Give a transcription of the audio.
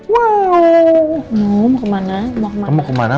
mau mau kemana